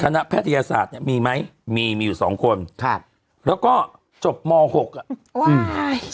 แพทยศาสตร์เนี้ยมีไหมมีมีอยู่สองคนครับแล้วก็จบมหกอ่ะโอ้ย